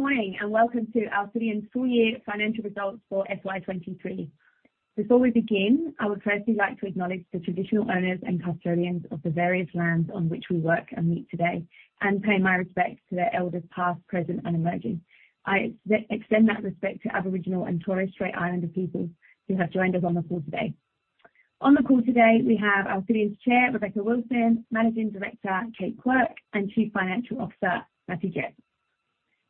Good morning, and welcome to Alcidion's Full-Year Financial Results for FY 2023. Before we begin, I would firstly like to acknowledge the traditional owners and custodians of the various lands on which we work and meet today, and pay my respects to their elders, past, present, and emerging. I extend that respect to Aboriginal and Torres Strait Islander peoples who have joined us on the call today. On the call today, we have Alcidion's Chair, Rebecca Wilson, Managing Director, Kate Quirke, and Chief Financial Officer, Matthew Gepp.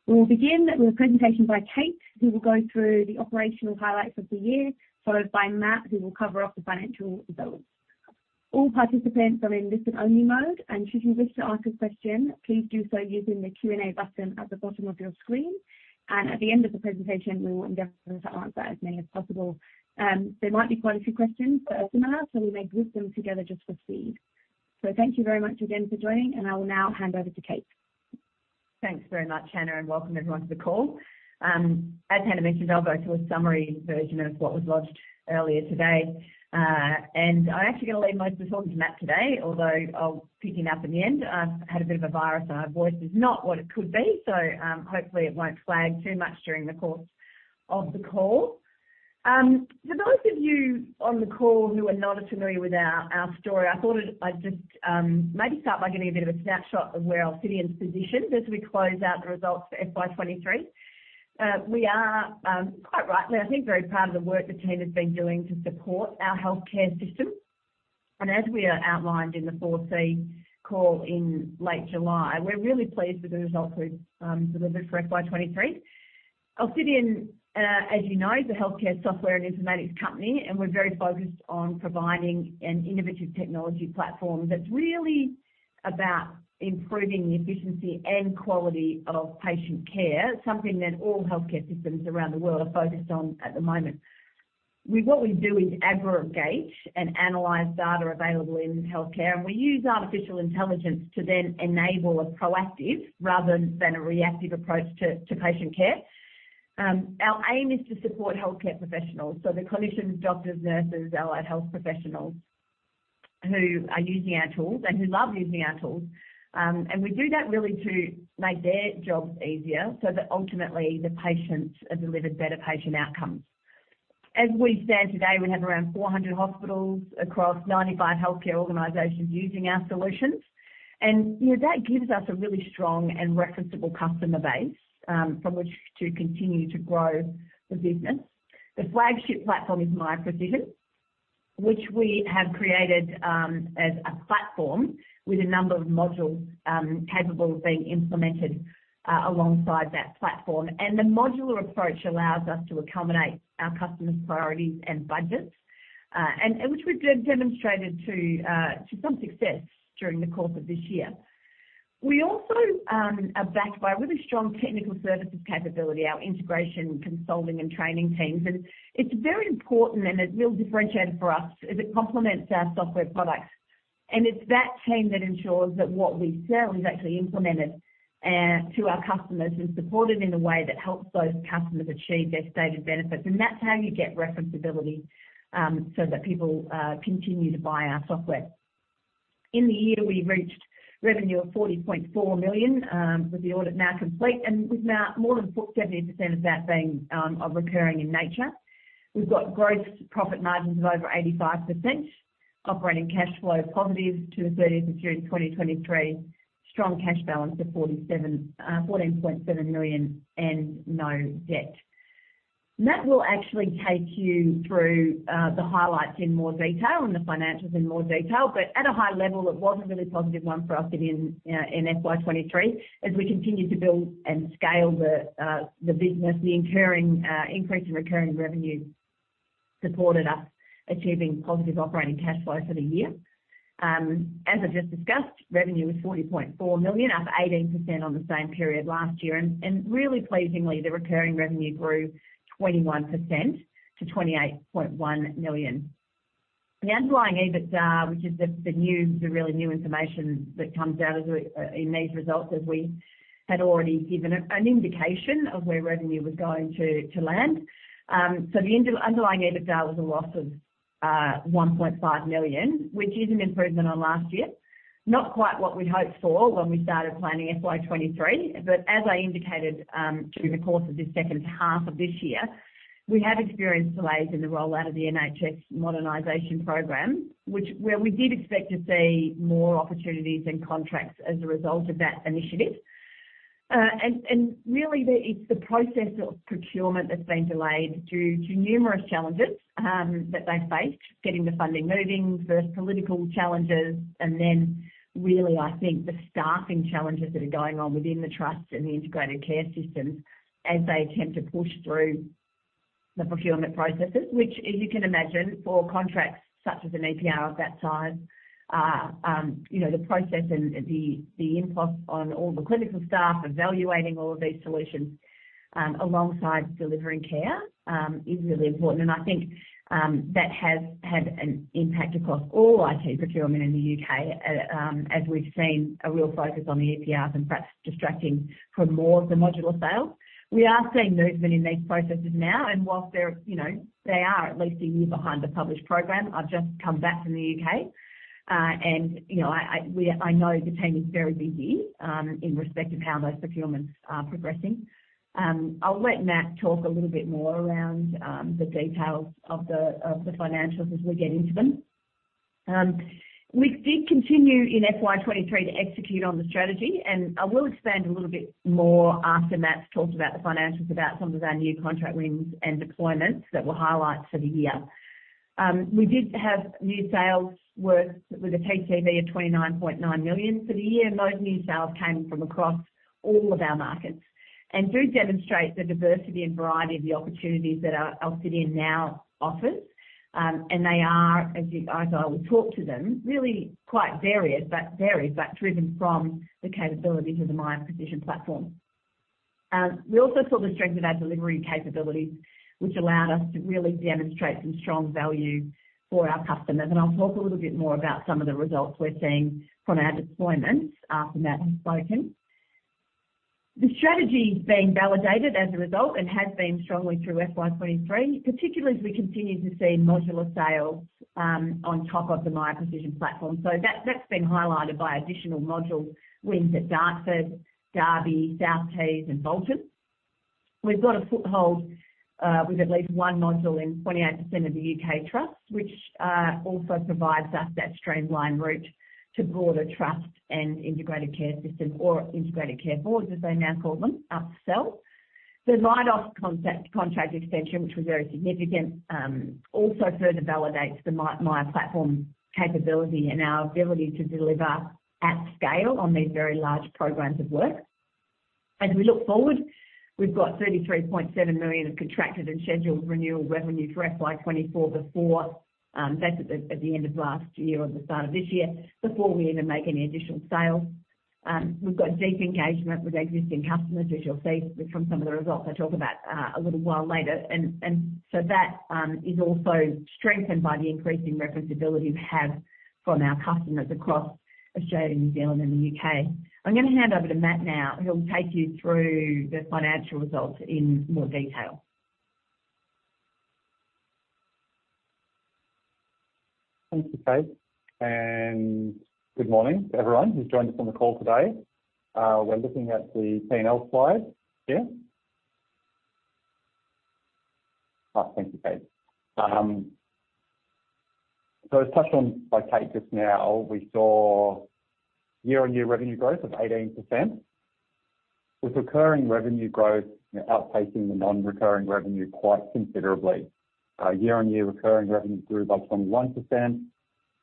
We will begin with a presentation by Kate, who will go through the operational highlights of the year, followed by Matt, who will cover off the financial results. All participants are in listen-only mode, and should you wish to ask a question, please do so using the Q&A button at the bottom of your screen, and at the end of the presentation, we will endeavor to answer as many as possible. There might be quite a few questions, so we may group them together just for speed. Thank you very much again for joining, and I will now hand over to Kate. Thanks very much, Hannah, and welcome everyone to the call. As Hannah mentioned, I'll go to a summary version of what was lodged earlier today. I'm actually going to leave most of the talk to Matt today, although I'll pick him up in the end. I've had a bit of a virus, and my voice is not what it could be. So, hopefully, it won't flag too much during the course of the call. For those of you on the call who are not as familiar with our, our story, I thought I'd just, maybe start by giving a bit of a snapshot of where Alcidion's positioned as we close out the results for FY 2023. We are, quite rightly, I think, very proud of the work the team has been doing to support our healthcare system. As we are outlined in the FY call in late July, we're really pleased with the results we've delivered for FY 2023. Alcidion, as you know, is a healthcare software and informatics company, and we're very focused on providing an innovative technology platform that's really about improving the efficiency and quality of patient care. Something that all healthcare systems around the world are focused on at the moment. What we do is aggregate and analyze data available in healthcare, and we use artificial intelligence to then enable a proactive rather than a reactive approach to patient care. Our aim is to support healthcare professionals, so the clinicians, doctors, nurses, allied health professionals, who are using our tools and who love using our tools. And we do that really to make their jobs easier so that ultimately the patients are delivered better patient outcomes. As we stand today, we have around 400 hospitals across 95 healthcare organizations using our solutions, and, you know, that gives us a really strong and referenceable customer base, from which to continue to grow the business. The flagship platform is Miya Precision, which we have created, as a platform with a number of modules, capable of being implemented, alongside that platform. And the modular approach allows us to accommodate our customers' priorities and budgets, and which we've demonstrated to some success during the course of this year. We also are backed by a really strong technical services capability, our integration, consulting, and training teams. And it's very important and a real differentiator for us, as it complements our software products. It's that team that ensures that what we sell is actually implemented to our customers and supported in a way that helps those customers achieve their stated benefits. That's how you get referenceability, so that people continue to buy our software. In the year, we reached revenue of 40.4 million, with the audit now complete and with now more than 70% of that being of recurring in nature. We've got gross profit margins of over 85%, operating cash flow positive to the 30th of June 2023, strong cash balance of 14.7 million, and no debt. Matt will actually take you through the highlights in more detail and the financials in more detail, but at a high level, it was a really positive one for Alcidion in FY 2023. As we continued to build and scale the business, the increasing increase in recurring revenue supported us achieving positive operating cash flow for the year. As I just discussed, revenue was 40.4 million, up 18% on the same period last year, and really pleasingly, the recurring revenue grew 21% to 28.1 million. The underlying EBITDA, which is the really new information that comes out in these results, as we had already given an indication of where revenue was going to land. So the underlying EBITDA was a loss of 1.5 million, which is an improvement on last year. Not quite what we'd hoped for when we started planning FY 23, but as I indicated, during the course of this second half of this year, we have experienced delays in the rollout of the NHS modernization program, which, where we did expect to see more opportunities and contracts as a result of that initiative. And really, it's the process of procurement that's been delayed due to numerous challenges that they faced, getting the funding moving, the political challenges, and then really, I think the staffing challenges that are going on within the trusts and the integrated care systems as they attempt to push through the procurement processes. Which, as you can imagine, for contracts such as an EPR of that size, you know, the process and the input on all the clinical staff evaluating all of these solutions, alongside delivering care, is really important. And I think that has had an impact across all IT procurement in the U.K., as we've seen a real focus on the EPRs and perhaps distracting from more of the modular sales. We are seeing movement in these processes now, and whilst they're, you know, they are at least a year behind the published program. I've just come back from the U.K., and, you know, I know the team is very busy, in respect of how those procurements are progressing. I'll let Matt talk a little bit more around the details of the financials as we get into them. We did continue in FY 2023 to execute on the strategy, and I will expand a little bit more after Matt's talked about the financials, about some of our new contract wins and deployments that were highlights for the year. We did have new sales worth, with a TTV of 29.9 million for the year, and those new sales came from across all of our markets and do demonstrate the diversity and variety of the opportunities that our Alcidion now offers. And they are, as I will talk to them, really quite varied, but varied, but driven from the capability of the Miya Precision platform. We also saw the strength of our delivery capabilities, which allowed us to really demonstrate some strong value for our customers, and I'll talk a little bit more about some of the results we're seeing from our deployments after Matt has spoken. The strategy's being validated as a result and has been strongly through FY 2023, particularly as we continue to see modular sales on top of the Miya Precision platform. So that, that's been highlighted by additional module wins at Dartford, Derby, South Tees, and Bolton. We've got a foothold with at least one module in 28% of the UK trusts, which also provides us that streamlined route to broader trust and integrated care system, or integrated care boards, as they now call them, upsell. The Leidos contract extension, which was very significant, also further validates the Miya platform capability and our ability to deliver at scale on these very large programs of work. As we look forward, we've got 33.7 million of contracted and scheduled renewal revenue for FY 2024 before, that's at the end of last year or the start of this year, before we even make any additional sales. We've got deep engagement with existing customers, as you'll see from some of the results I'll talk about a little while later. And so that is also strengthened by the increasing referenceability we have from our customers across Australia, New Zealand, and the UK. I'm going to hand over to Matt now, who'll take you through the financial results in more detail. Thank you, Kate, and good morning to everyone who's joined us on the call today. We're looking at the P&L slide here. Thank you, Kate. So as touched on by Kate just now, we saw year-on-year revenue growth of 18%, with recurring revenue growth outpacing the non-recurring revenue quite considerably. Year-on-year recurring revenue grew by 21%, and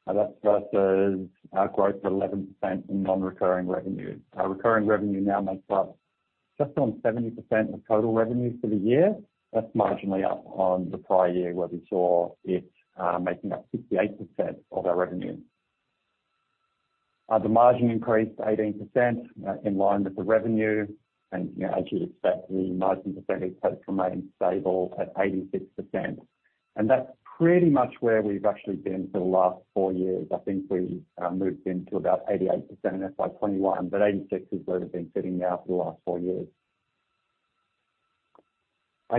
that's versus growth of 11% in non-recurring revenue. Recurring revenue now makes up just on 70% of total revenues for the year. That's marginally up on the prior year, where we saw it making up 68% of our revenue. The margin increased 18% in line with the revenue, and, you know, as you'd expect, the margin percentage has remained stable at 86%. And that's pretty much where we've actually been for the last four years. I think we moved into about 88% in FY 2021, but 86% is where we've been sitting now for the last four years.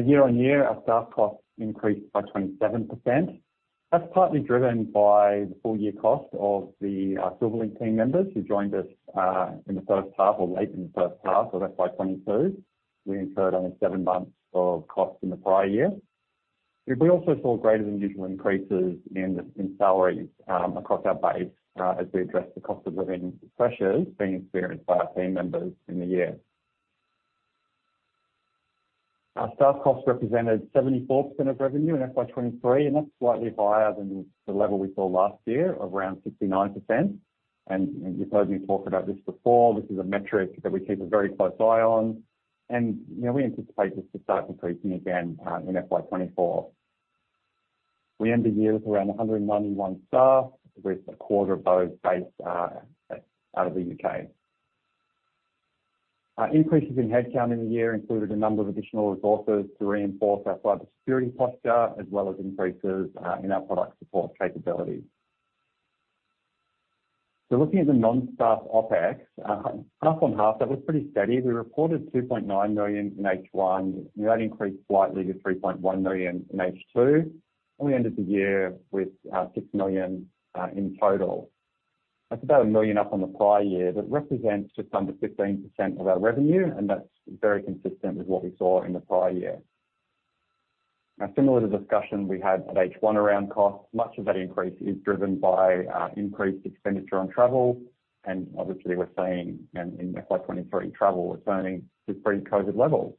Year-on-year, our staff costs increased by 27%. That's partly driven by the full-year cost of the Silverlink team members who joined us in the first half or late in the first half of FY 2022. We incurred only seven months of costs in the prior year. We also saw greater than usual increases in salaries across our base as we addressed the cost of living pressures being experienced by our team members in the year. Our staff costs represented 74% of revenue in FY 2023, and that's slightly higher than the level we saw last year, around 69%. And you've heard me talk about this before, this is a metric that we keep a very close eye on. And, you know, we anticipate this to start decreasing again in FY 2024. We end the year with around 191 staff, with a quarter of those based out of the U.K. Increases in headcount in the year included a number of additional resources to reinforce our cyber security posture, as well as increases in our product support capabilities. So looking at the non-staff OpEx, half on half, that was pretty steady. We reported 2.9 million in H1, and that increased slightly to 3.1 million in H2, and we ended the year with 6 million in total. That's about 1 million up on the prior year. That represents just under 15% of our revenue, and that's very consistent with what we saw in the prior year. Now, similar to the discussion we had at H1 around costs, much of that increase is driven by increased expenditure on travel, and obviously, we're seeing in FY 2023, travel returning to pre-COVID levels.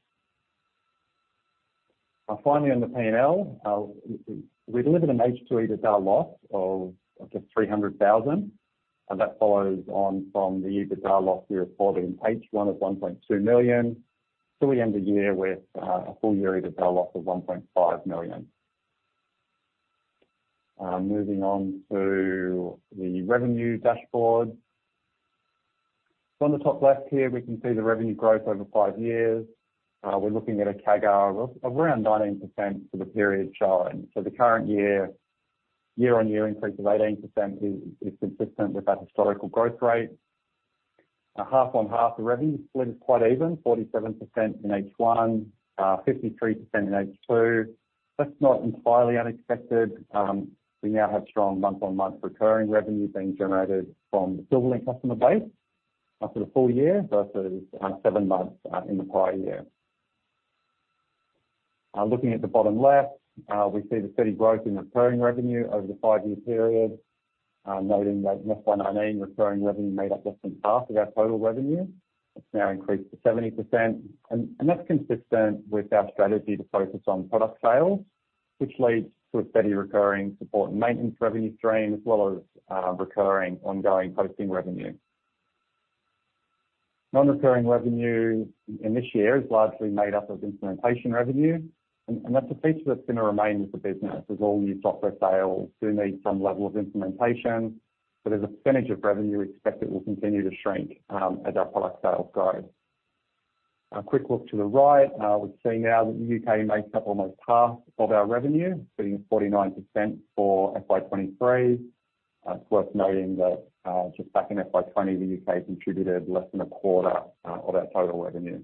Finally, on the PNL, we delivered an H2 EBITDA loss of just 300,000, and that follows on from the EBITDA loss we recorded in H1 of 1.2 million. So we end the year with a full-year EBITDA loss of 1.5 million. Moving on to the revenue dashboard. So on the top left here, we can see the revenue growth over five years. We're looking at a CAGR of around 19% for the period shown. So the current year, year-on-year increase of 18% is consistent with that historical growth rate. Half-on-half, the revenue split is quite even, 47% in H1, 53% in H2. That's not entirely unexpected. We now have strong month-on-month recurring revenue being generated from the Silverlink customer base after the full year versus seven months in the prior year. Looking at the bottom left, we see the steady growth in recurring revenue over the five year period, noting that in FY 2019, recurring revenue made up less than half of our total revenue. It's now increased to 70%, and that's consistent with our strategy to focus on product sales, which leads to a steady recurring support and maintenance revenue stream, as well as recurring ongoing hosting revenue. Non-recurring revenue in this year is largely made up of implementation revenue, and that's a feature that's going to remain with the business as all new software sales do need some level of implementation. But as a percentage of revenue, we expect it will continue to shrink, as our product sales grow. A quick look to the right, we see now that the U.K. makes up almost half of our revenue, being 49% for FY 2023. It's worth noting that, just back in FY 2020, the U.K. contributed less than a quarter, of our total revenue.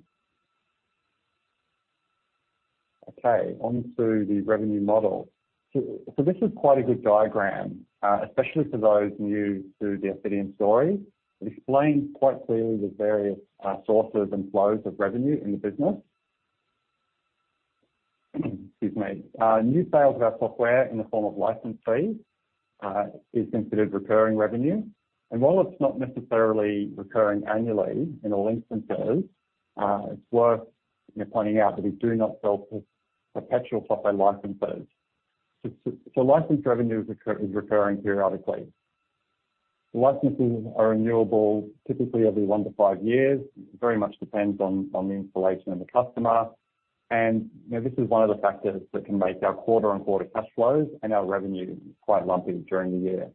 Okay, on to the revenue model. So, this is quite a good diagram, especially for those new to the Alcidion story. It explains quite clearly the various, sources and flows of revenue in the business. Excuse me. New sales of our software in the form of license fees is considered recurring revenue, and while it's not necessarily recurring annually in all instances, it's worth pointing out that we do not sell perpetual software licenses. So license revenue is recurring periodically. Licenses are renewable typically every one to five years. Very much depends on the installation of the customer, and you know, this is one of the factors that can make our quarter-on-quarter cash flows and our revenue quite lumpy during the year.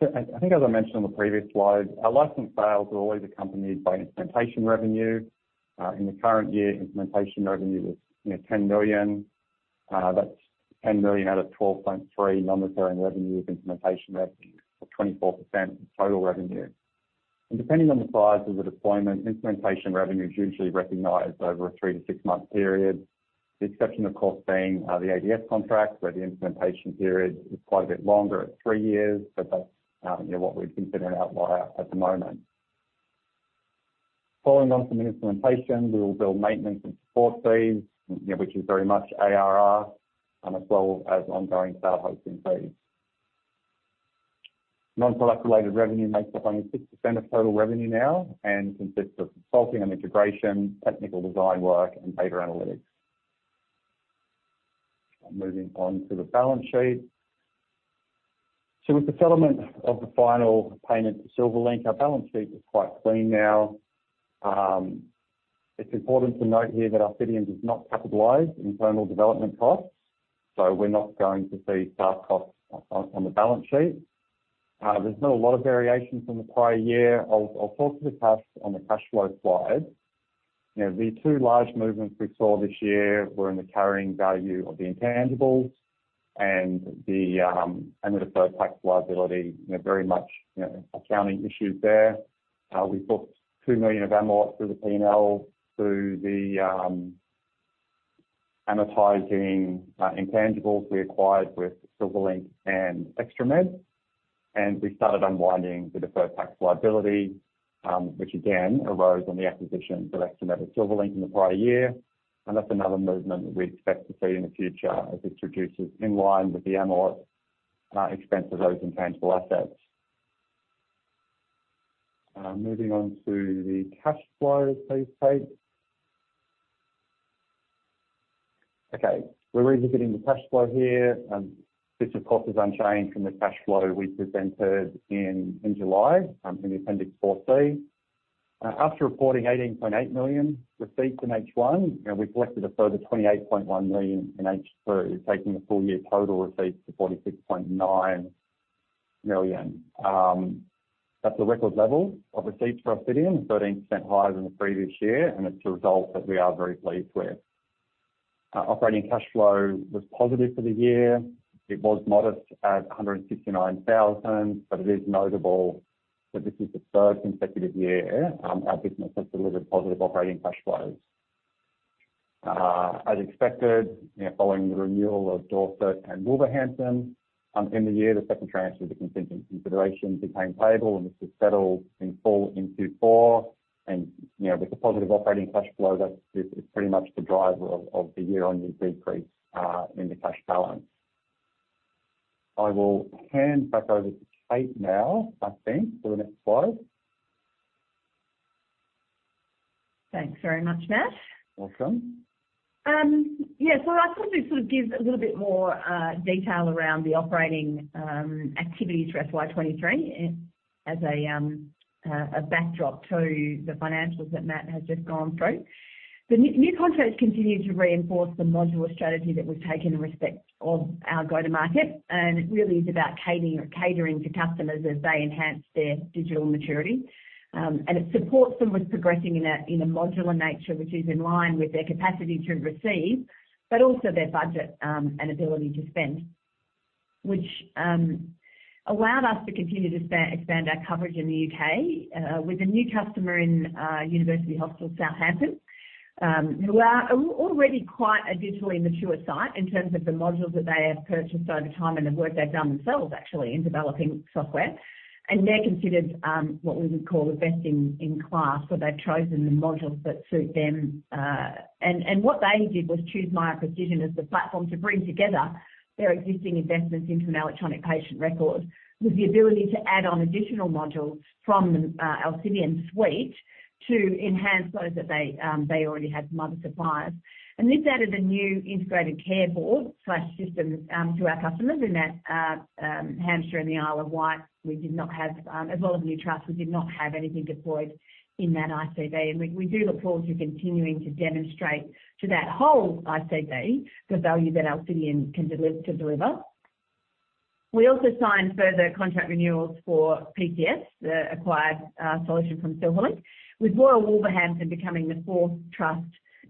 So I think as I mentioned on the previous slide, our license sales are always accompanied by implementation revenue. In the current year, implementation revenue was, you know, 10 million. That's 10 million out of 12.3 million non-recurring revenue of implementation revenue for 24% of total revenue. Depending on the size of the deployment, implementation revenue is usually recognized over a 3-6-month period. The exception, of course, being the ADF contract, where the implementation period is quite a bit longer at three years, but that's, you know, what we'd consider an outlier at the moment. Following on from the implementation, we will build maintenance and support fees, you know, which is very much ARR, as well as ongoing cloud hosting fees. Non-product-related revenue makes up only 6% of total revenue now and consists of consulting and integration, technical design work, and data analytics. I'm moving on to the balance sheet. With the settlement of the final payment to Silverlink, our balance sheet is quite clean now. It's important to note here that Alcidion does not capitalize internal development costs, so we're not going to see staff costs on the balance sheet. There's not a lot of variation from the prior year. I'll talk to the cash on the cash flow slide. You know, the two large movements we saw this year were in the carrying value of the intangibles and the and the deferred tax liability. You know, very much, you know, accounting issues there. We booked 2 million of amort through the P&L through the amortizing intangibles we acquired with Silverlink and ExtraMed, and we started unwinding the deferred tax liability, which again arose on the acquisition of ExtraMed and Silverlink in the prior year. That's another movement that we expect to see in the future as this reduces in line with the amort, expense of those intangible assets. Moving on to the cash flow, please, Kate. Okay, we're revisiting the cash flow here, and this, of course, is unchanged from the cash flow we presented in July in the Appendix 4C. After reporting 18.8 million receipts in H1, you know, we collected a further 28.1 million in H2, taking the full-year total receipts to 46.9 million. That's a record level of receipts for Alcidion, 13% higher than the previous year, and it's a result that we are very pleased with. Operating cash flow was positive for the year. It was modest at 169,000, but it is notable that this is the third consecutive year our business has delivered positive operating cash flows. As expected, you know, following the renewal of Dorset and Wolverhampton in the year, the second tranche of the contingent consideration became payable, and this was settled in full in Q4. You know, with the positive operating cash flow, that is pretty much the driver of the year-on-year decrease in the cash balance. I will hand back over to Kate now, I think, for the next slide. Thanks very much, Matt. Welcome. Yeah, so I just want to sort of give a little bit more detail around the operating activities for FY 2023 as a backdrop to the financials that Matt has just gone through. The new contracts continue to reinforce the modular strategy that we've taken in respect of our go-to-market, and it really is about catering to customers as they enhance their digital maturity. And it supports them with progressing in a modular nature, which is in line with their capacity to receive, but also their budget and ability to spend. Which allowed us to continue to expand our coverage in the UK with a new customer in University Hospital Southampton. Who are already quite a digitally mature site in terms of the modules that they have purchased over time and the work they've done themselves actually in developing software. And they're considered what we would call the best in class, where they've chosen the modules that suit them. And what they did was choose Miya Precision as the platform to bring together their existing investments into an electronic patient record, with the ability to add on additional modules from the Alcidion suite, to enhance those that they already had from other suppliers. And this added a new integrated care board/system to our customers in that Hampshire and Isle of Wight. We did not have as well as new trust. We did not have anything deployed in that ICB, and we, we do look forward to continuing to demonstrate to that whole ICB, the value that Alcidion can deliver, to deliver. We also signed further contract renewals for PCS, the acquired solution from Silverlink, with Royal Wolverhampton becoming the fourth trust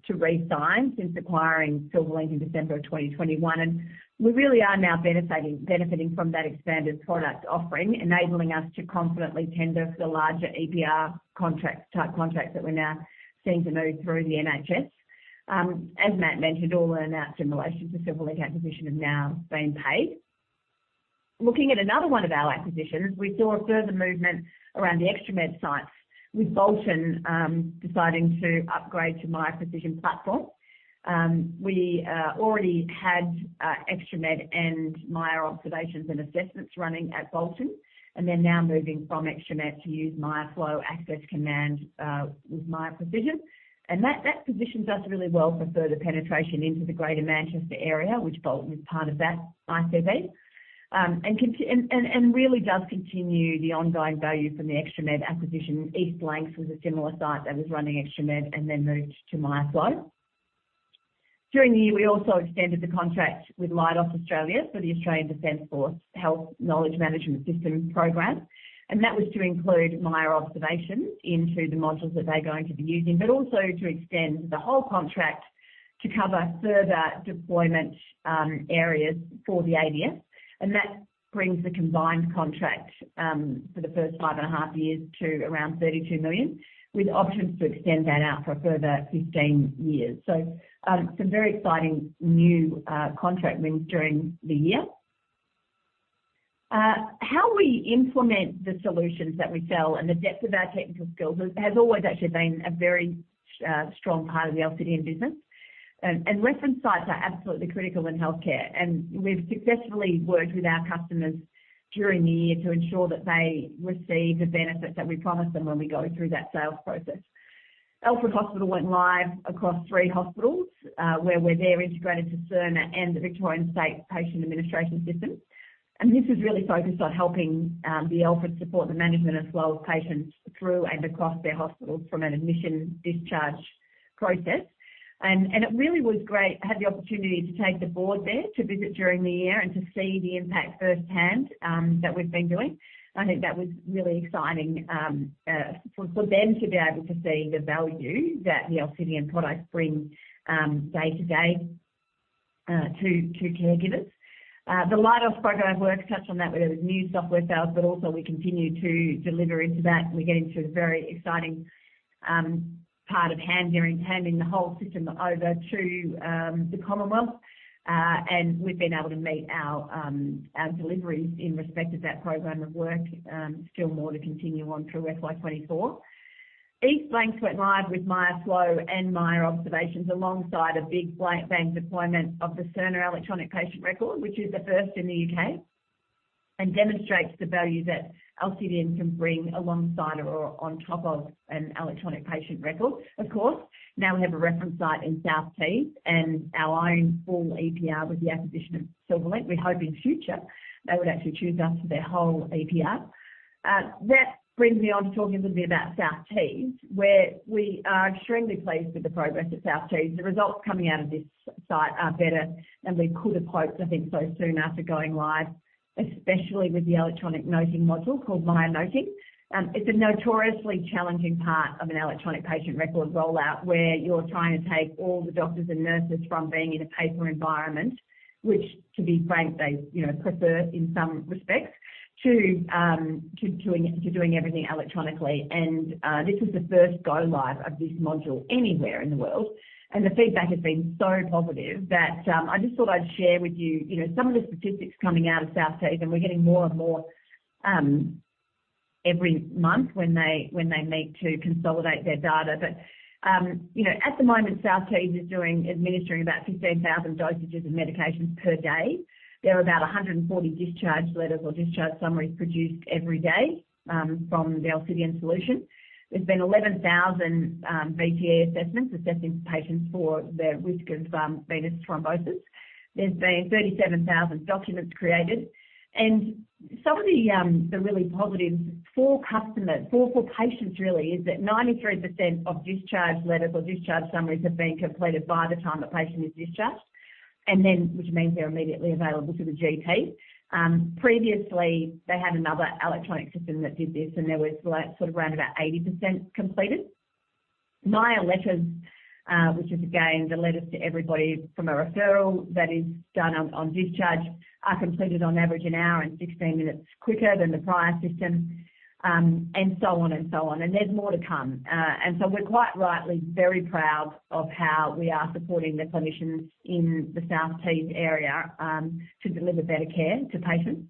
to re-sign since acquiring Silverlink in December 2021. We really are now benefiting, benefiting from that expanded product offering, enabling us to confidently tender for the larger EPR contract-type contract that we're now seeing to move through the NHS. As Matt mentioned, all earn-out simulations for Silverlink acquisition have now been paid. Looking at another one of our acquisitions, we saw a further movement around the ExtraMed sites, with Bolton deciding to upgrade to Miya Precision platform. We already had ExtraMed and Miya Observations and Assessments running at Bolton, and they're now moving from ExtraMed to use Miya Flow, Access, Command with Miya Precision. And that positions us really well for further penetration into the Greater Manchester area, which Bolton is part of that ICB. And really does continue the ongoing value from the ExtraMed acquisition. East Lancs was a similar site that was running ExtraMed and then moved to Miya Flow. During the year, we also extended the contract with Leidos Australia for the Australian Defence Force Health Knowledge Management System program, and that was to include Miya Observation into the modules that they're going to be using, but also to extend the whole contract to cover further deployment areas for the ADF. That brings the combined contract for the first five and a half years to around 32 million, with options to extend that out for a further 15 years. Some very exciting new contract wins during the year. How we implement the solutions that we sell and the depth of our technical skills has always actually been a very strong part of the Alcidion business. And reference sites are absolutely critical in healthcare, and we've successfully worked with our customers during the year to ensure that they receive the benefits that we promise them when we go through that sales process. Alfred Hospital went live across 3 hospitals, where we're integrated to Cerner and the Victorian State Patient Administration system. This is really focused on helping the Alfred support the management and flow of patients through and across their hospitals from an admission, discharge process. It really was great to have the opportunity to take the board there, to visit during the year and to see the impact firsthand that we've been doing. I think that was really exciting for them to be able to see the value that the Alcidion products bring day to day to caregivers. The Leidos program work touched on that, where there was new software sales, but also we continue to deliver into that. We're getting to a very exciting part of handing the whole system over to the Commonwealth, and we've been able to meet our deliveries in respect of that program of work, still more to continue on through FY 2024. East Lancs went live with Miya Flow and Miya Observations, alongside a big bang deployment of the Cerner electronic patient record, which is the first in the U.K., and demonstrates the value that Alcidion can bring alongside or on top of an electronic patient record. Of course, now we have a reference site in South Tees and our own full EPR with the acquisition of Silverlink. We hope in future they would actually choose us for their whole EPR. That brings me on to talking a little bit about South Tees, where we are extremely pleased with the progress at South Tees. The results coming out of this site are better than we could have hoped, I think so soon after going live, especially with the electronic noting module called Miya Noting. It's a notoriously challenging part of an electronic patient record rollout, where you're trying to take all the doctors and nurses from being in a paper environment, which, to be frank, they, you know, prefer in some respects to doing everything electronically. This was the first go live of this module anywhere in the world, and the feedback has been so positive that I just thought I'd share with you, you know, some of the statistics coming out of South Tees, and we're getting more and more every month when they meet to consolidate their data. But, you know, at the moment, South Tees is doing, administering about 15,000 dosages of medications per day. There are about 140 discharge letters or discharge summaries produced every day, from the Alcidion solution. There's been 11,000 VTE assessments assessing patients for their risk of venous thrombosis. There's been 37,000 documents created, and some of the really positive for customers or for patients really, is that 93% of discharge letters or discharge summaries have been completed by the time the patient is discharged, and then, which means they're immediately available to the GP. Previously, they had another electronic system that did this, and there was like sort of around about 80% completed. Miya Letters, which is again, the letters to everybody from a referral that is done on discharge, are completed on average, one hour and 16 minutes quicker than the prior system, and so on and so on, and there's more to come. And so we're quite rightly very proud of how we are supporting the clinicians in the South Tees area, to deliver better care to patients.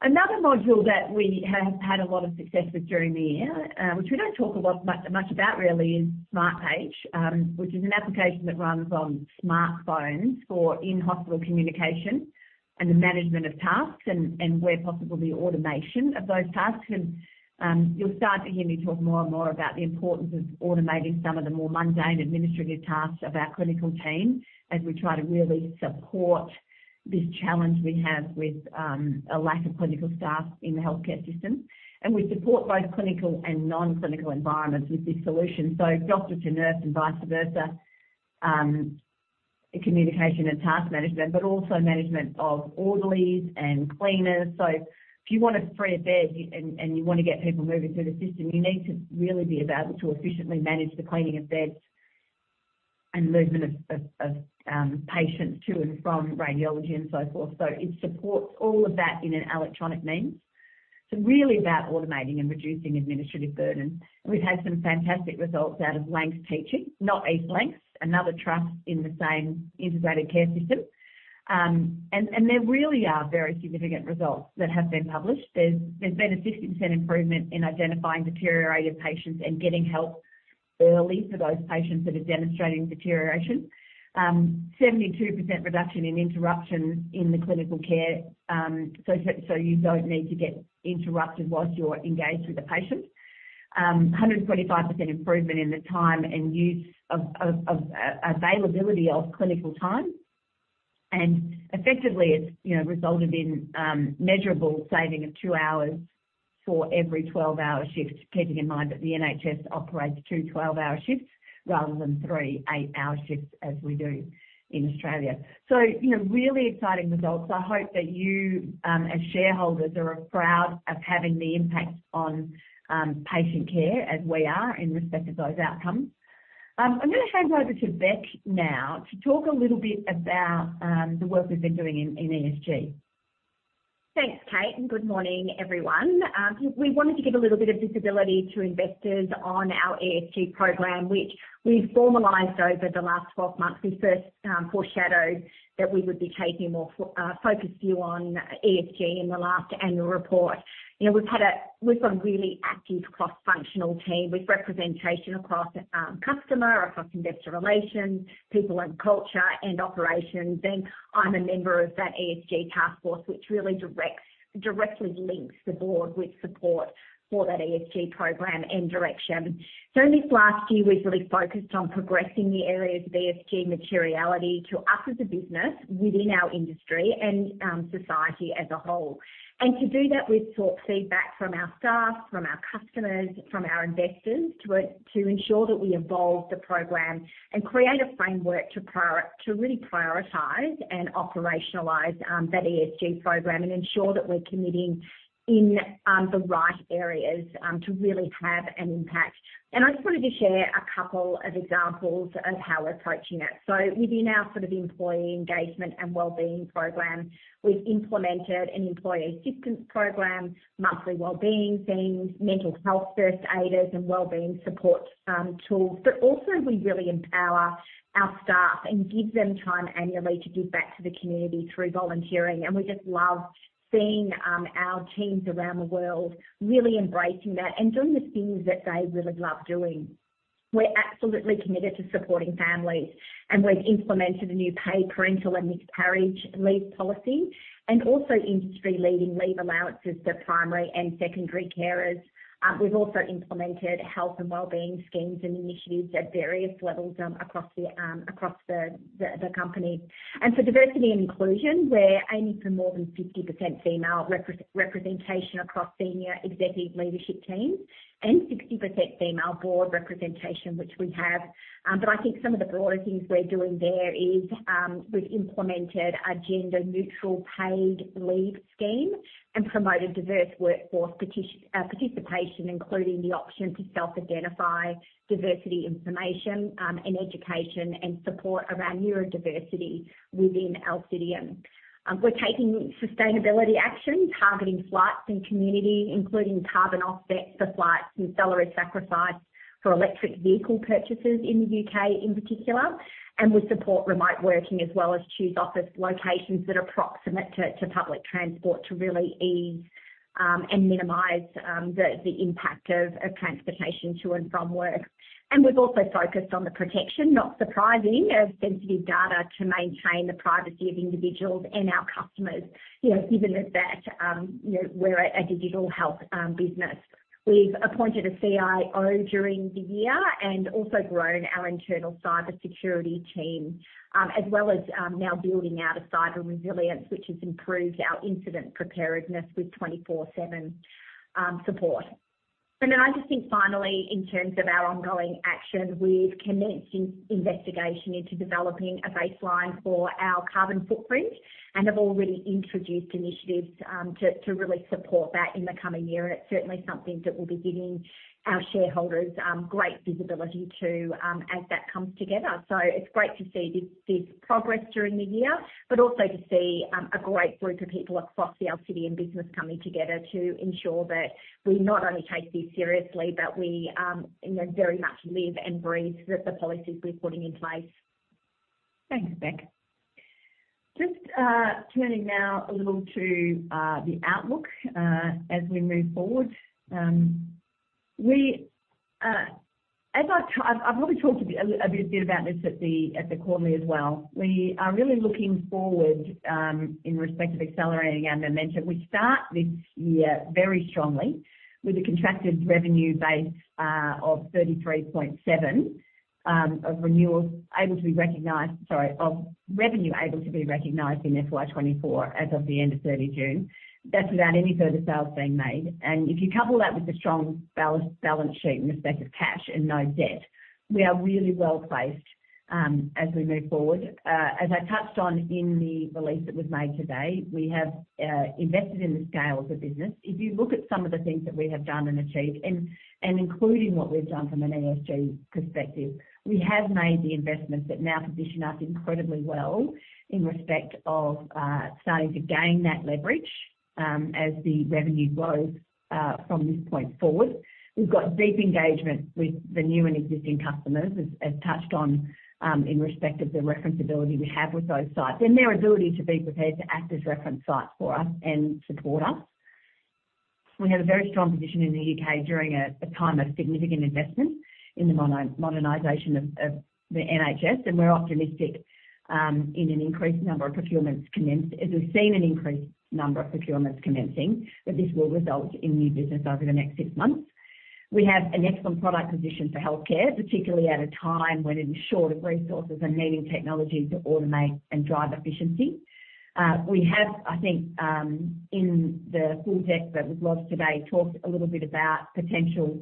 Another module that we have had a lot of success with during the year, which we don't talk a lot, much about really, is Smartpage, which is an application that runs on smartphones for in-hospital communication and the management of tasks, and where possible, the automation of those tasks. You'll start to hear me talk more and more about the importance of automating some of the more mundane administrative tasks of our clinical team, as we try to really support this challenge we have with a lack of clinical staff in the healthcare system. We support both clinical and non-clinical environments with this solution, so doctor to nurse and vice versa, communication and task management, but also management of orderlies and cleaners. So if you want to free a bed and you want to get people moving through the system, you need to really be able to efficiently manage the cleaning of beds and movement of patients to and from radiology and so forth. So it supports all of that in an electronic means. So really about automating and reducing administrative burden. We've had some fantastic results out of Lancs, not East Lancs, another trust in the same integrated care system. And there really are very significant results that have been published. There's been a 50% improvement in identifying deteriorated patients and getting help early for those patients that are demonstrating deterioration. 72% reduction in interruptions in the clinical care, so you don't need to get interrupted while you're engaged with a patient. 125% improvement in the time and use of availability of clinical time. And effectively, it's, you know, resulted in measurable saving of two hours for every 12-hour shift, keeping in mind that the NHS operates two 12-hour shifts, rather than three eight hour shifts, as we do in Australia. So you know, really exciting results. I hope that you, as shareholders, are proud of having the impact on patient care as we are in respect of those outcomes. I'm going to hand over to Bec now to talk a little bit about the work we've been doing in ESG. Thanks, Kate, and good morning, everyone. We wanted to give a little bit of visibility to investors on our ESG program, which we've formalized over the last 12 months. We first foreshadowed that we would be taking a more focused view on ESG in the last annual report. You know, we've got a really active cross-functional team with representation across customer, across investor relations, people and culture, and operations. And I'm a member of that ESG task force, which really directly links the board with support for that ESG program and direction. So in this last year, we've really focused on progressing the areas of ESG materiality to us as a business within our industry and society as a whole. To do that, we've sought feedback from our staff, from our customers, from our investors, to ensure that we evolve the program and create a framework to really prioritize and operationalize that ESG program and ensure that we're committing in the right areas to really have an impact. I just wanted to share a couple of examples of how we're approaching that. So within our sort of employee engagement and well-being program, we've implemented an employee assistance program, monthly well-being themes, mental health first aiders, and well-being support tools. But also, we really empower our staff and give them time annually to give back to the community through volunteering. And we just love seeing our teams around the world really embracing that and doing the things that they really love doing. We're absolutely committed to supporting families, and we've implemented a new paid parental and miscarriage leave policy, and also industry-leading leave allowances for primary and secondary carers. We've also implemented health and well-being schemes and initiatives at various levels across the company. For diversity and inclusion, we're aiming for more than 50% female representation across senior executive leadership teams and 60% female board representation, which we have. But I think some of the broader things we're doing there is we've implemented a gender-neutral paid leave scheme and promoted diverse workforce participation, including the option to self-identify diversity information, and education and support around neurodiversity within Alcidion. We're taking sustainability action, targeting flights and community, including carbon offsets for flights and salary sacrifice for electric vehicle purchases in the U.K. in particular. We support remote working, as well as choose office locations that are proximate to public transport, to really ease and minimize the impact of transportation to and from work. We've also focused on the protection, not surprising, of sensitive data to maintain the privacy of individuals and our customers. You know, given that, you know, we're a digital health business. We've appointed a CIO during the year and also grown our internal cybersecurity team, as well as now building out a cyber resilience, which has improved our incident preparedness with 24/7 support. Then I just think finally, in terms of our ongoing action, we've commenced an investigation into developing a baseline for our carbon footprint, and have already introduced initiatives to really support that in the coming year. It's certainly something that we'll be giving our shareholders great visibility to as that comes together. So it's great to see this, this progress during the year, but also to see a great group of people across the Alcidion business coming together to ensure that we not only take this seriously, but we you know, very much live and breathe the, the policies we're putting in place. Thanks, Bec. Just turning now a little to the outlook as we move forward. As I've probably talked a bit about this at the quarterly as well. We are really looking forward in respect of accelerating our momentum. We start this year very strongly with a contracted revenue base of 33.7 of renewals able to be recognized, sorry, of revenue able to be recognized in FY 2024 as of the end of 30 June. That's without any further sales being made. And if you couple that with the strong balance sheet in respect of cash and no debt, we are really well placed as we move forward. As I touched on in the release that was made today, we have invested in the scale of the business. If you look at some of the things that we have done and achieved and including what we've done from an ESG perspective, we have made the investments that now position us incredibly well in respect of starting to gain that leverage as the revenue grows from this point forward. We've got deep engagement with the new and existing customers, as touched on in respect of the reference ability we have with those sites, and their ability to be prepared to act as reference sites for us and support us. We had a very strong position in the UK during a time of significant investment in the modernization of the NHS, and we're optimistic in an increased number of procurements commenced, as we've seen an increased number of procurements commencing, that this will result in new business over the next six months. We have an excellent product position for healthcare, particularly at a time when it is short of resources and needing technology to automate and drive efficiency. We have, I think, in the full deck that was launched today, talked a little bit about potential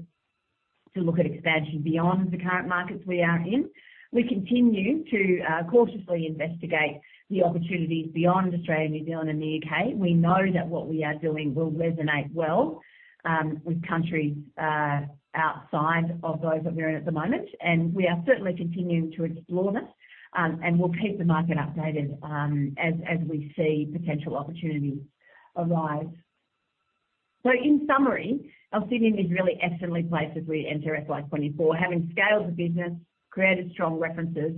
to look at expansion beyond the current markets we are in. We continue to cautiously investigate the opportunities beyond Australia, New Zealand, and the UK. We know that what we are doing will resonate well, with countries, outside of those that we're in at the moment, and we are certainly continuing to explore this. We'll keep the market updated, as we see potential opportunities arise. So in summary, Alcidion is really excellently placed as we enter FY 2024, having scaled the business, created strong references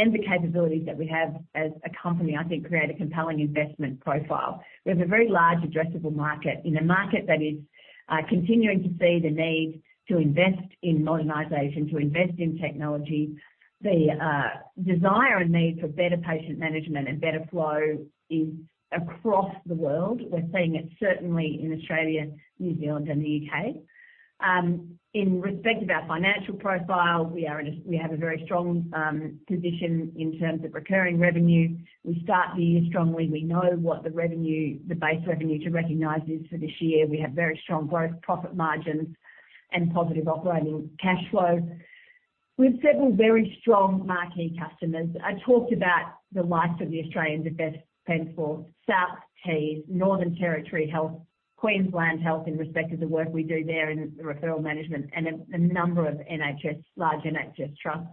and the capabilities that we have as a company, I think create a compelling investment profile. We have a very large addressable market, in a market that is, continuing to see the need to invest in modernization, to invest in technology. The, desire and need for better patient management and better flow is across the world. We're seeing it certainly in Australia, New Zealand, and the UK. In respect of our financial profile, we are in a very strong position in terms of recurring revenue. We start the year strongly. We know what the revenue, the base revenue to recognize is for this year. We have very strong growth, profit margins and positive operating cash flow. We have several very strong marquee customers. I talked about the likes of the Australian Defence Force, South Tees, Northern Territory Health, Queensland Health, in respect of the work we do there in referral management, and a number of NHS, large NHS trusts.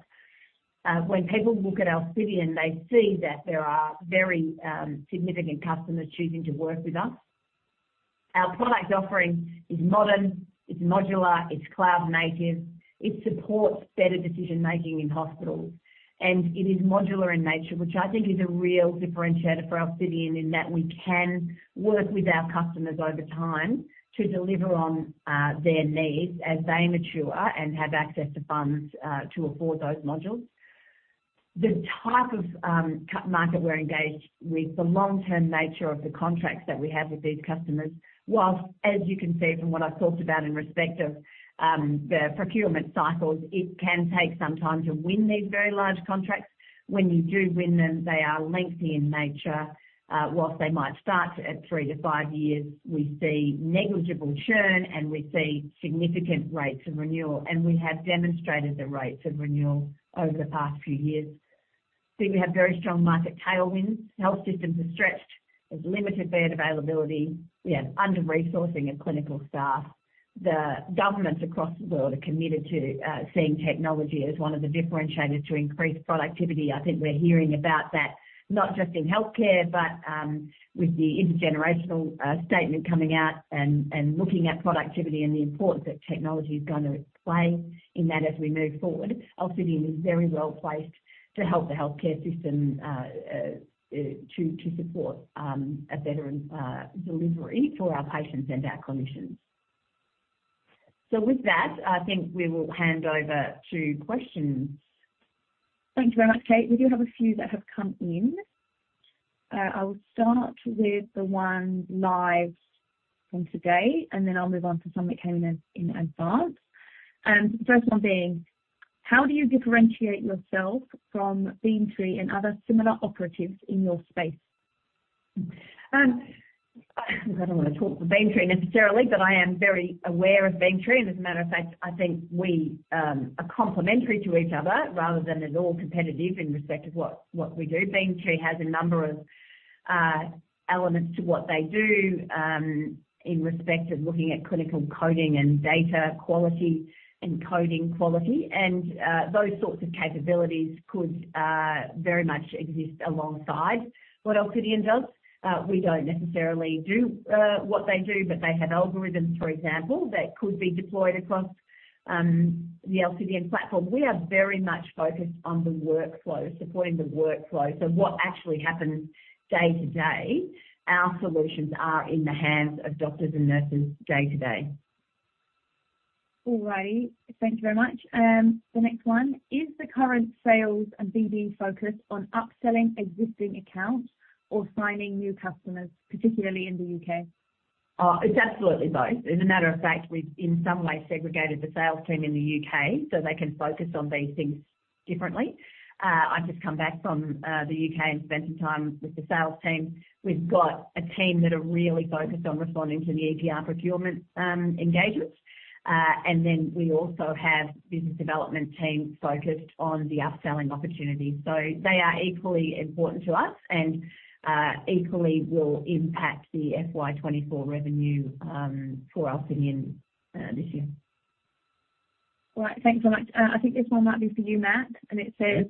When people look at Alcidion, they see that there are very significant customers choosing to work with us. Our product offering is modern, it's modular, it's cloud-native, it supports better decision-making in hospitals, and it is modular in nature, which I think is a real differentiator for Alcidion, in that we can work with our customers over time to deliver on their needs as they mature and have access to funds to afford those modules. The type of acute market we're engaged with, the long-term nature of the contracts that we have with these customers, whilst, as you can see from what I've talked about in respect of the procurement cycles, it can take some time to win these very large contracts. When you do win them, they are lengthy in nature. While they might start at three to five years, we see negligible churn and we see significant rates of renewal, and we have demonstrated the rates of renewal over the past few years. So we have very strong market tailwinds. Health systems are stretched. There's limited bed availability. We have under-resourcing of clinical staff. The governments across the world are committed to seeing technology as one of the differentiators to increase productivity. I think we're hearing about that not just in healthcare, but with the intergenerational statement coming out and looking at productivity and the importance that technology is going to play in that as we move forward. Alcidion is very well placed to help the healthcare system to support a better delivery for our patients and our clinicians. With that, I think we will hand over to questions. Thank you very much, Kate. We do have a few that have come in. I will start with the one live from today, and then I'll move on to some that came in, in advance.... the first one being: How do you differentiate yourself from Beamtree and other similar operatives in your space? I don't want to talk for Beamtree necessarily, but I am very aware of Beamtree, and as a matter of fact, I think we are complementary to each other rather than as all competitive in respect of what we do. Beamtree has a number of elements to what they do in respect of looking at clinical coding and data quality and coding quality, and those sorts of capabilities could very much exist alongside what Alcidion does. We don't necessarily do what they do, but they have algorithms, for example, that could be deployed across the Alcidion platform. We are very much focused on the workflow, supporting the workflow. So what actually happens day to day, our solutions are in the hands of doctors and nurses day to day. All right. Thank you very much. The next one: Is the current sales and BD focused on upselling existing accounts or signing new customers, particularly in the UK? It's absolutely both. As a matter of fact, we've in some ways segregated the sales team in the UK so they can focus on these things differently. I've just come back from the UK and spent some time with the sales team. We've got a team that are really focused on responding to the EPR procurement engagements. And then we also have business development team focused on the upselling opportunities. So they are equally important to us and equally will impact the FY 2024 revenue for Alcidion this year. All right. Thanks so much. I think this one might be for you, Matt, and it says: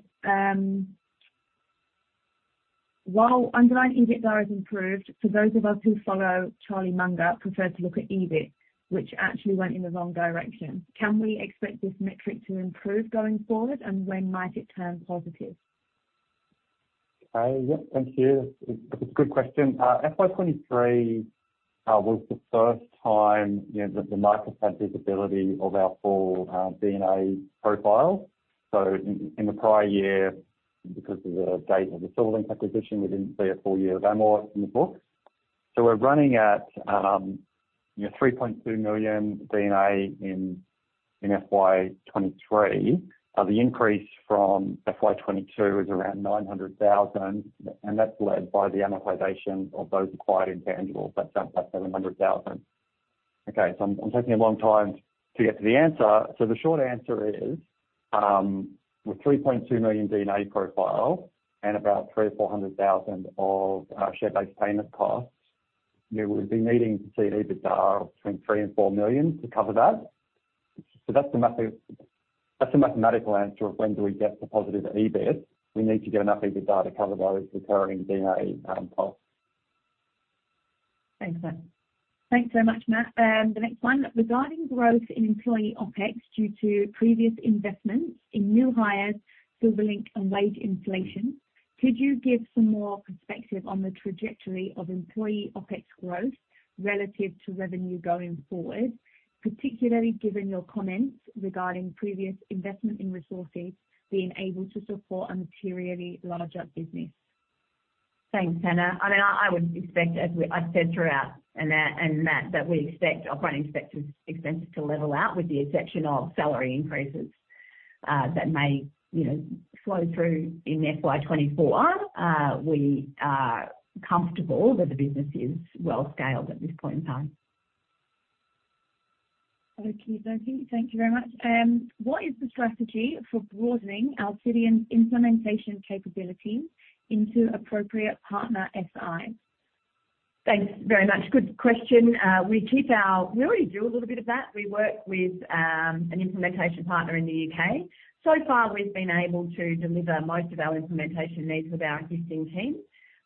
While underlying EBITDA has improved, for those of us who follow Charlie Munger, prefer to look at EBIT, which actually went in the wrong direction. Can we expect this metric to improve going forward, and when might it turn positive? Yeah, thank you. It's a good question. FY 2023 was the first time, you know, the market had visibility of our full D&A profile. So in the prior year, because of the date of the Silverlink acquisition, we didn't see a full year of amort in the books. So we're running at, you know, 3.2 million D&A in FY 2023. The increase from FY 2022 is around 900,000, and that's led by the amortization of those acquired intangibles. That's up by 700,000. Okay, so I'm taking a long time to get to the answer. So the short answer is, with 3.2 million D&A profile and about 300,000 or 400,000 of share-based payment costs, you would be needing to see an EBITDA of between 3 million and 4 million to cover that. That's the mathematical answer of when do we get to positive EBIT. We need to get enough EBITDA to cover those recurring D&A costs. Thanks, Matt. Thanks very much, Matt. The next one: Regarding growth in employee OpEx, due to previous investments in new hires, Silverlink and wage inflation, could you give some more perspective on the trajectory of employee OpEx growth relative to revenue going forward, particularly given your comments regarding previous investment in resources being able to support a materially larger business? Thanks, Hannah. I mean, I would expect, as we've said throughout, and, Matt, that we expect our operating expenses to level out, with the exception of salary increases that may, you know, flow through in FY 2024. We are comfortable that the business is well scaled at this point in time. Okay, thank you. Thank you very much. What is the strategy for broadening Alcidion's implementation capabilities into appropriate partner SI? Thanks very much. Good question. We keep our... We already do a little bit of that. We work with an implementation partner in the UK. So far, we've been able to deliver most of our implementation needs with our existing team.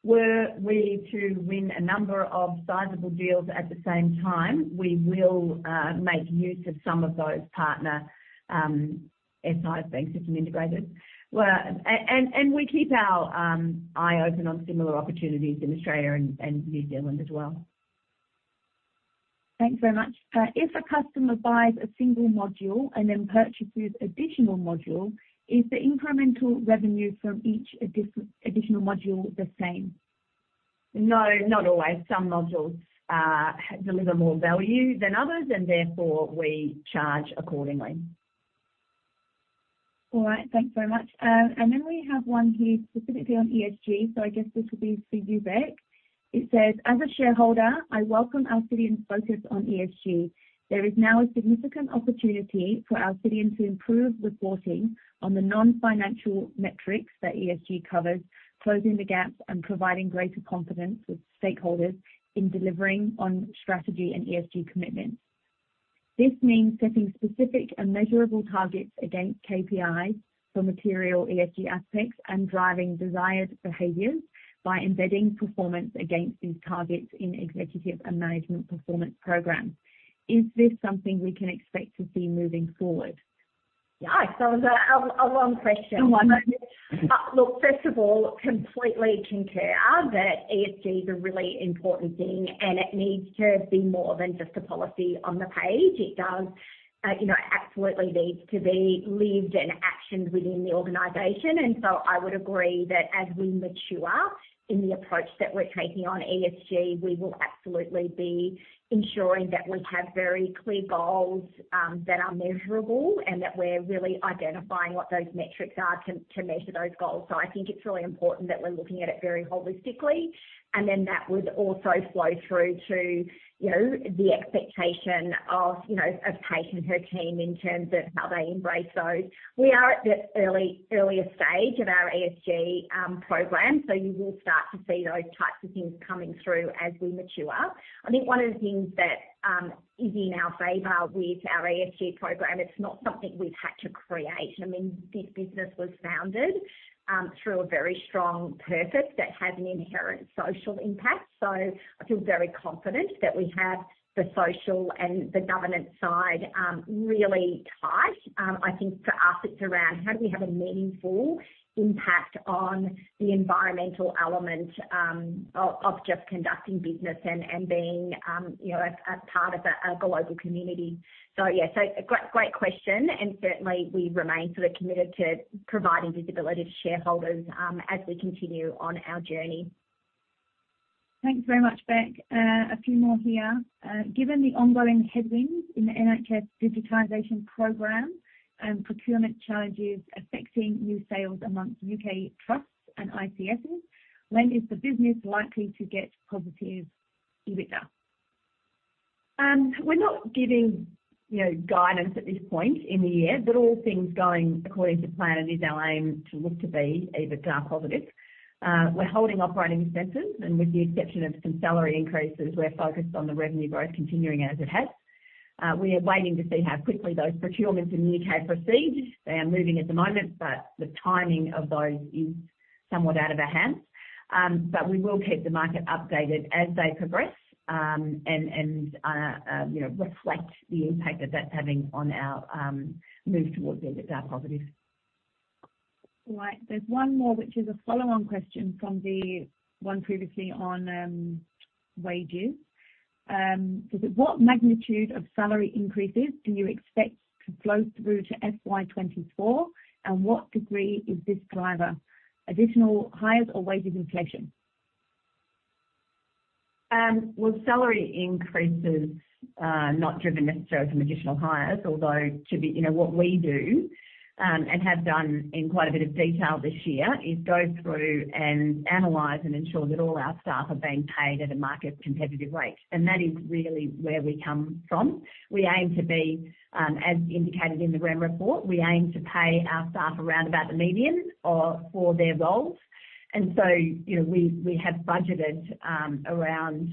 Were we to win a number of sizable deals at the same time, we will make use of some of those partner SIs, system integrators. Well, and, and we keep our eye open on similar opportunities in Australia and New Zealand as well. Thanks very much. If a customer buys a single module and then purchases additional module, is the incremental revenue from each additional module the same? No, not always. Some modules, deliver more value than others, and therefore we charge accordingly. All right, thanks very much. And then we have one here specifically on ESG, so I guess this will be for you, Bec. It says: As a shareholder, I welcome Alcidion's focus on ESG. There is now a significant opportunity for Alcidion to improve reporting on the non-financial metrics that ESG covers, closing the gaps and providing greater confidence with stakeholders in delivering on strategy and ESG commitments. This means setting specific and measurable targets against KPIs for material ESG aspects and driving desired behaviors by embedding performance against these targets in executive and management performance programs. Is this something we can expect to see moving forward?... Yeah, so that was a long question. Look, first of all, completely concur that ESG is a really important thing, and it needs to be more than just a policy on the page. It does, you know, absolutely needs to be lived and actioned within the organization. And so I would agree that as we mature in the approach that we're taking on ESG, we will absolutely be ensuring that we have very clear goals, that are measurable and that we're really identifying what those metrics are to measure those goals. So I think it's really important that we're looking at it very holistically, and then that would also flow through to, you know, the expectation of, you know, of Kate and her team in terms of how they embrace those. We are at the early, earliest stage of our ESG program, so you will start to see those types of things coming through as we mature. I think one of the things that is in our favor with our ESG program, it's not something we've had to create. I mean, this business was founded through a very strong purpose that has an inherent social impact. So I feel very confident that we have the social and the governance side really tight. I think for us it's around how do we have a meaningful impact on the environmental element of just conducting business and being you know, as part of a global community. So, yeah, so great, great question, and certainly we remain sort of committed to providing visibility to shareholders as we continue on our journey. Thanks very much, Bec. A few more here. Given the ongoing headwinds in the NHS digitization program and procurement challenges affecting new sales among UK trusts and ICSs, when is the business likely to get positive EBITDA? We're not giving, you know, guidance at this point in the year, but all things going according to plan, it is our aim to look to be EBITDA positive. We're holding operating expenses, and with the exception of some salary increases, we're focused on the revenue growth continuing as it has. We are waiting to see how quickly those procurements in the U.K. proceed. They are moving at the moment, but the timing of those is somewhat out of our hands. But we will keep the market updated as they progress, and you know, reflect the impact that that's having on our move towards EBITDA positive. All right. There's one more, which is a follow-on question from the one previously on, wages. Is it what magnitude of salary increases do you expect to flow through to FY 2024? And what degree is this driver, additional hires or wages inflation? Well, salary increases, not driven necessarily from additional hires, although to be, you know, what we do, and have done in quite a bit of detail this year, is go through and analyze and ensure that all our staff are being paid at a market competitive rate. That is really where we come from. We aim to be, as indicated in the Rem report, we aim to pay our staff around about the median, for their roles. So, you know, we, we have budgeted, around,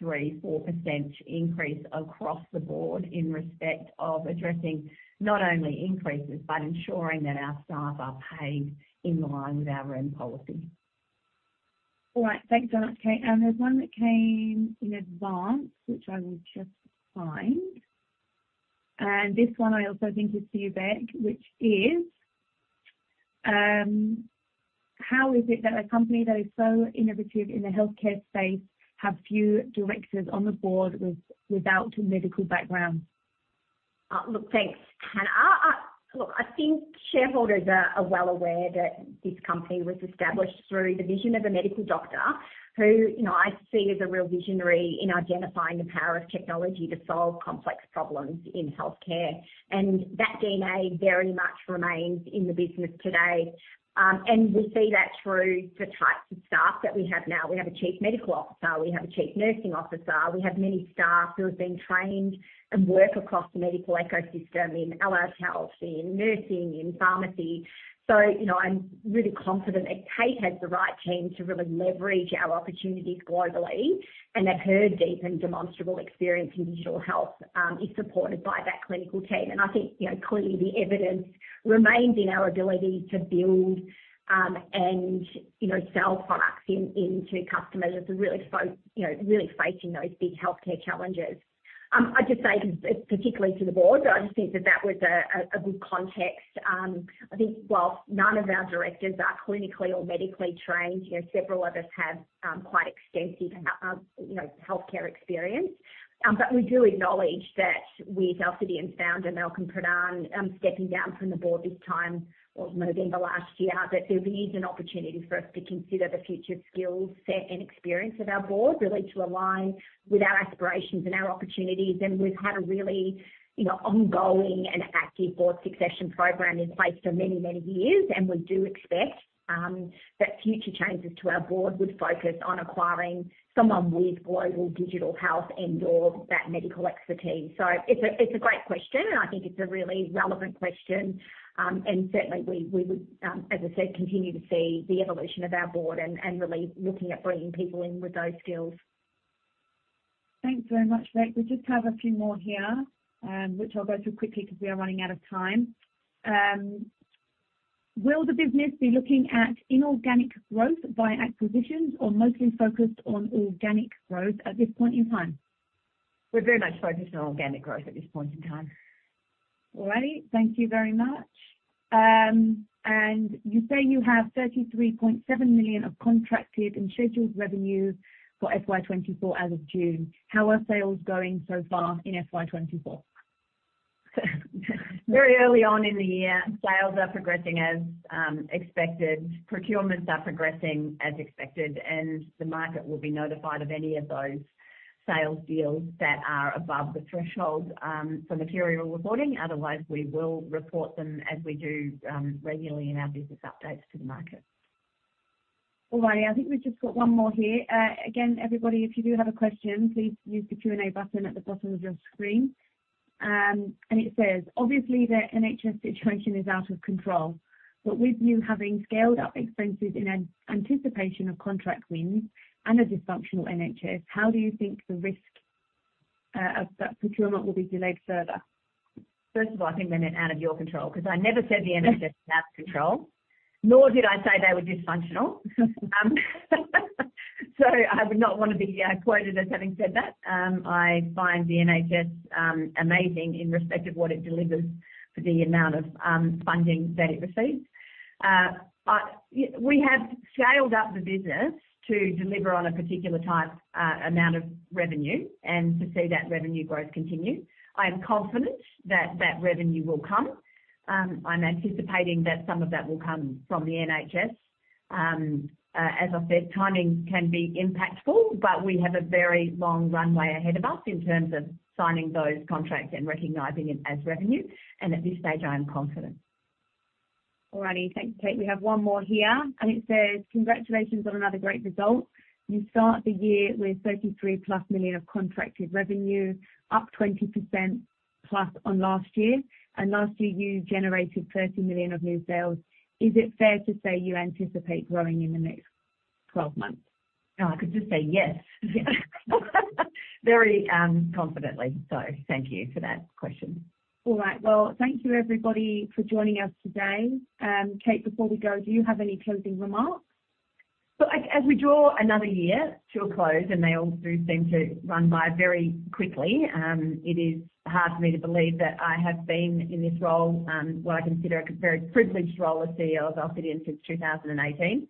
3%-4% increase across the board in respect of addressing not only increases, but ensuring that our staff are paid in line with our own policy. All right. Thanks a lot, Kate. And there's one that came in advance, which I will just find. And this one I also think is to you, Bec, which is: How is it that a company that is so innovative in the healthcare space have few directors on the board without a medical background? Look, thanks, Hannah. Look, I think shareholders are well aware that this company was established through the vision of a medical doctor who, you know, I see as a real visionary in identifying the power of technology to solve complex problems in healthcare. And that DNA very much remains in the business today. And we see that through the types of staff that we have now. We have a Chief Medical Officer, we have a Chief Nursing Officer, we have many staff who have been trained and work across the medical ecosystem, in allied health, in nursing, in pharmacy. So, you know, I'm really confident that Kate has the right team to really leverage our opportunities globally, and that her deep and demonstrable experience in digital health is supported by that clinical team. And I think, you know, clearly the evidence remains in our ability to build, and, you know, sell products in, into customers as they're really you know, really facing those big healthcare challenges. I'd just say, particularly to the board, I just think that that was a good context. I think while none of our directors are clinically or medically trained, you know, several of us have quite extensive, you know, healthcare experience. But we do acknowledge that with our founder, Malcolm Pradhan, stepping down from the board this time or maybe in the last year, that there is an opportunity for us to consider the future skills set and experience of our board, really to align with our aspirations and our opportunities. We've had a really, you know, ongoing and active board succession program in place for many, many years. We do expect that future changes to our board would focus on acquiring someone with global digital health and/or that medical expertise. So it's a great question, and I think it's a really relevant question. Certainly we would, as I said, continue to see the evolution of our board and really looking at bringing people in with those skills. Thanks very much, Bec. We just have a few more here, which I'll go through quickly because we are running out of time. Will the business be looking at inorganic growth via acquisitions or mostly focused on organic growth at this point in time? We're very much focused on organic growth at this point in time. All right, thank you very much. And you say you have 33.7 million of contracted and scheduled revenues for FY 2024 as of June. How are sales going so far in FY 2024? Very early on in the year, sales are progressing as expected. Procurements are progressing as expected, and the market will be notified of any of those sales deals that are above the threshold for material reporting. Otherwise, we will report them as we do regularly in our business updates to the market. All right, I think we've just got one more here. Again, everybody, if you do have a question, please use the Q&A button at the bottom of your screen. And it says, "Obviously, the NHS situation is out of control, but with you having scaled up expenses in anticipation of contract wins and a dysfunctional NHS, how do you think the risk of that procurement will be delayed further? First of all, I think they meant out of your control, because I never said the NHS is out of control, nor did I say they were dysfunctional. So I would not want to be quoted as having said that. I find the NHS amazing in respect of what it delivers for the amount of funding that it receives. We have scaled up the business to deliver on a particular type amount of revenue and to see that revenue growth continue. I am confident that that revenue will come. I'm anticipating that some of that will come from the NHS. As I said, timing can be impactful, but we have a very long runway ahead of us in terms of signing those contracts and recognizing it as revenue. And at this stage, I am confident. All right. Thanks, Kate. We have one more here, and it says, "Congratulations on another great result. You start the year with 33+ million of contracted revenue, up 20%+ on last year, and last year you generated 30 million of new sales. Is it fair to say you anticipate growing in the next 12 months? I could just say yes. Very, confidently. So thank you for that question. All right. Well, thank you, everybody, for joining us today. Kate, before we go, do you have any closing remarks? Look, as we draw another year to a close, and they all do seem to run by very quickly, it is hard for me to believe that I have been in this role, what I consider a very privileged role as CEO of Alcidion since 2018.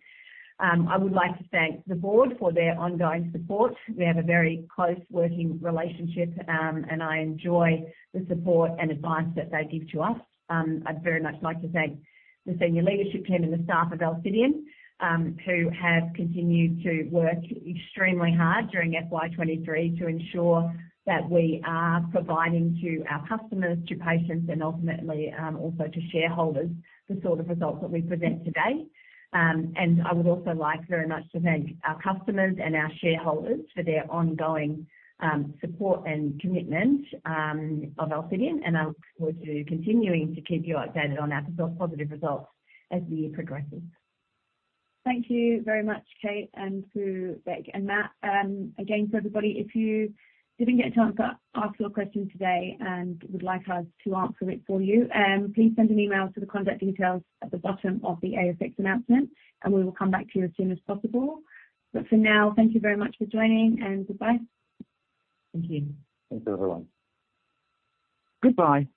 I would like to thank the board for their ongoing support. We have a very close working relationship, and I enjoy the support and advice that they give to us. I'd very much like to thank the senior leadership team and the staff of Alcidion, who have continued to work extremely hard during FY 2023 to ensure that we are providing to our customers, to patients, and ultimately, also to shareholders, the sort of results that we present today. I would also like very much to thank our customers and our shareholders for their ongoing support and commitment of Alcidion, and I look forward to continuing to keep you updated on our positive results as the year progresses. Thank you very much, Kate, and to Bec and Matt. Again, for everybody, if you didn't get a chance to ask your question today and would like us to answer it for you, please send an email to the contact details at the bottom of the ASX announcement, and we will come back to you as soon as possible. But for now, thank you very much for joining, and goodbye. Thank you. Thanks, everyone. Goodbye!